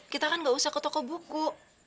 kita kan gak usah ke toko buku